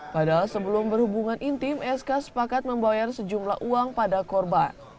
padahal sebelum berhubungan intim sk sepakat membayar sejumlah uang pada korban